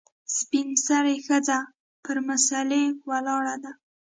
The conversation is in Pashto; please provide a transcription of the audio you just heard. سپین سرې ښځه پر مسلې ولاړه ده .